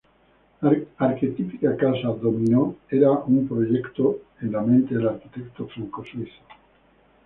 La arquetípica casa Dom-inó era aun un proyecto en la mente del arquitecto franco-suizo.